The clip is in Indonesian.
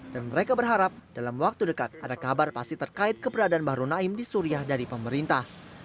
dan mereka berharap dalam waktu dekat ada kabar pasti terkait keberadaan bahru naim di syria dari pemerintah